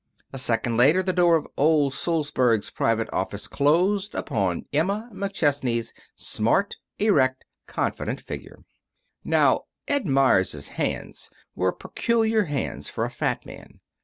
A second later the door of old Sulzberg's private office closed upon Emma McChesney's smart, erect, confident figure. Now, Ed Meyers' hands were peculiar hands for a fat man.